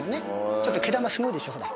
ちょっと毛玉すごいでしょ、ほら。